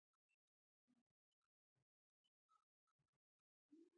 دا زما شخصی نظر دی. زه تر ټولو غوره یم.